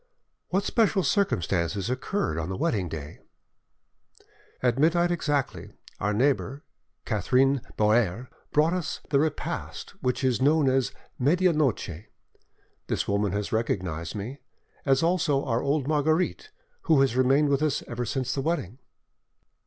"What special circumstances occurred on the wedding day?" "At midnight exactly, our neighbour, Catherine Boere, brought us the repast which is known as 'medianoche.' This woman has recognised me, as also our old Marguerite, who has remained with us ever since the wedding."